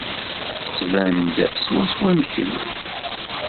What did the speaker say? Tettban-d swaswa am kemm.